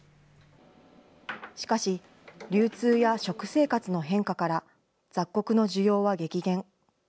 しかし、流通や食生活の変化から、雑穀の需要は激減。